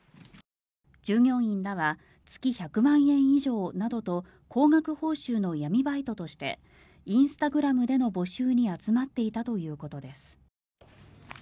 従業員らは月１００万円以上などと高額報酬の闇バイトとしてインスタグラムでの募集に集まっていたということです。